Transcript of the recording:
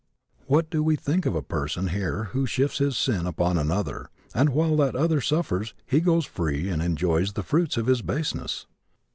What do we think of a person here who shifts his sins upon another and while that other suffers he goes free and enjoys the fruits of his baseness?